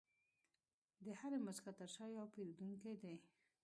د هرې موسکا تر شا یو پیرودونکی دی.